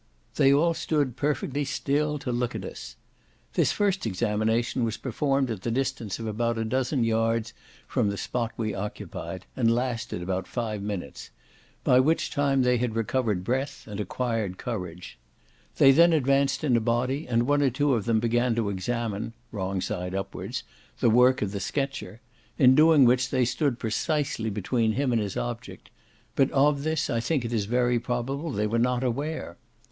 They all stood perfectly still to look at us. This first examination was performed at the distance of about a dozen yard from the spot we occupied, and lasted about five minutes, by which time they had recovered breath, and acquired courage. They then advanced in a body, and one or two of them began to examine (wrong side upwards) the work of the sketcher, in doing which they stood precisely between him and his object; but of this I think it is very probable they were not aware.